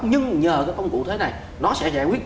nhưng nhờ cái công cụ thế này nó sẽ giải quyết